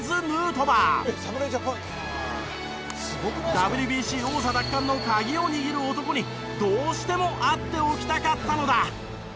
ＷＢＣ王座奪還の鍵を握る男にどうしても会っておきたかったのだ。